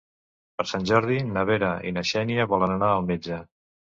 Per Sant Jordi na Vera i na Xènia volen anar al metge.